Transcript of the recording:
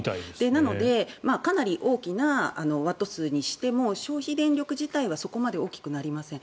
なのでかなり大きなワット数にしても消費電力自体はそこまで大きくなりません。